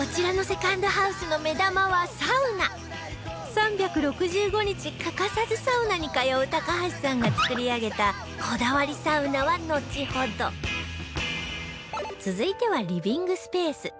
３６５日欠かさずサウナに通う高橋さんが作り上げた続いてはリビングスペース